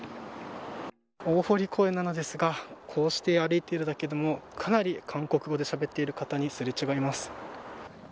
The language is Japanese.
大濠公園なのですがこうして歩いているだけでもかなり韓国語でしゃべってる方にすれ違います。